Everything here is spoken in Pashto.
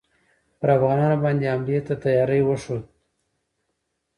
پر افغانانو باندي حملې ته تیاری وښود.